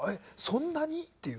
そんなに？っていう。